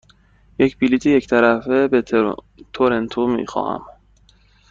یک بلیط یک طرفه به تورنتو می خواهم.